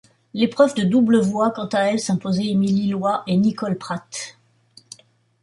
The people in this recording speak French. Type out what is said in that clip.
L'épreuve de double voit quant à elle s'imposer Émilie Loit et Nicole Pratt.